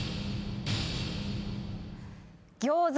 餃子。